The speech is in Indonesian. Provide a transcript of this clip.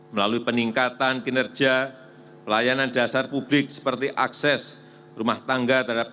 melalui peningkatan kinerja pelayanan dasar publik seperti akses rumah tangga terhadap